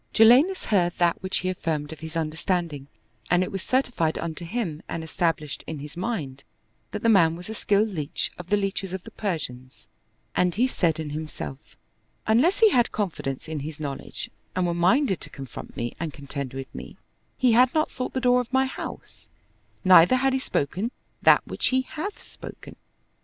Jalinus heard that which he affirmed of his understanding, and it was certified unto him and established in his mind that the man was a skilled leach of the leaches of the Persians and he said in himself, "Unless he had confidence in his knowledge and were minded to confront me and contend with me, he had not sought the door of my house, neither had he spoken that which he hath spoken."